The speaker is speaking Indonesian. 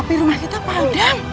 api rumah kita pandang